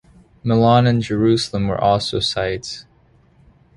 Milan and Jerusalem were also sites.